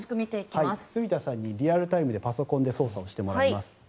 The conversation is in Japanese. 住田さんにリアルタイムでパソコンで操作してもらいます。